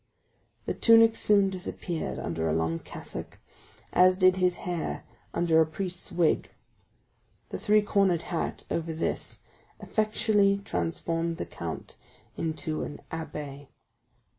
The tunic soon disappeared under a long cassock, as did his hair under a priest's wig; the three cornered hat over this effectually transformed the count into an abbé.